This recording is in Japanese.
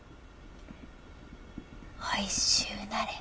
おいしゅうなれ。